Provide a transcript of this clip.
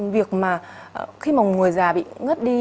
việc mà khi mà người già bị ngất đi